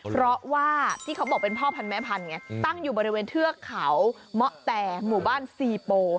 เพราะว่าที่เขาบอกเป็นพ่อพันธุไงตั้งอยู่บริเวณเทือกเขาเมาะแต่หมู่บ้านซีโป